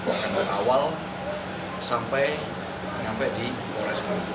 akan mengawal sampai di polres itu